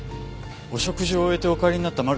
お食事を終えてお帰りになったマルタン様が